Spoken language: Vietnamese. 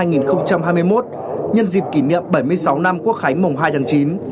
nhân dịp kỷ niệm bảy mươi sáu năm quốc khánh mùng hai tháng chín